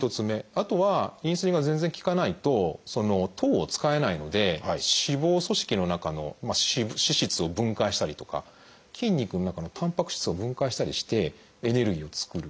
あとはインスリンが全然効かないと糖を使えないので脂肪組織の中の脂質を分解したりとか筋肉の中のたんぱく質を分解したりしてエネルギーを作る。